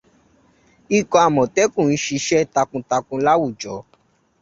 Ikọ̀ Àmọ̀tẹ́kùn ńṣe iṣẹ́ takuntakun láwùjọ.